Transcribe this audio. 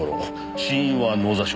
死因は脳挫傷。